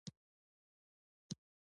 ستا د خوږ ځیګر د لاسه